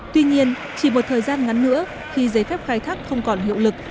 tuy nhiên chỉ một thời gian ngắn nữa khi giấy phép khai thác không còn hiệu lực